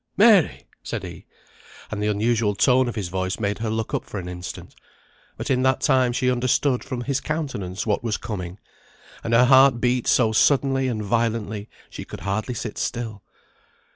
"Mary!" said he, and the unusual tone of his voice made her look up for an instant, but in that time she understood from his countenance what was coming, and her heart beat so suddenly and violently she could hardly sit still.